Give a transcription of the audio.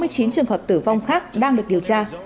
sáu mươi chín trường hợp tử vong khác đang được điều tra